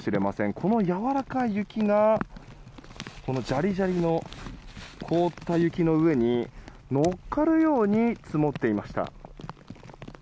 このやわらかい雪がじゃりじゃりの凍った雪の上に乗っかるように積もっていました。